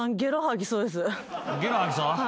ゲロ吐きそう？